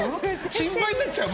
心配になっちゃう。